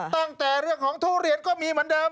ตั้งแต่เรื่องของทุเรียนก็มีเหมือนเดิม